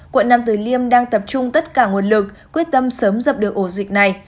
quận nam tử liêm đang tập trung tất cả nguồn lực quyết tâm sớm dập được ổ dịch này